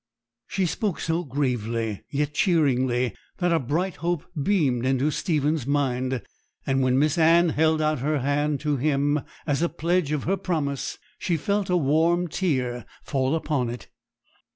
She spoke so gravely, yet cheeringly, that a bright hope beamed into Stephen's mind; and when Miss Anne held out her hand to him, as a pledge of her promise, she felt a warm tear fall upon it.